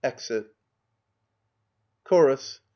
[Exit. Chorus.